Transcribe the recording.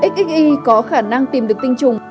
xxi có khả năng tìm được tinh trùng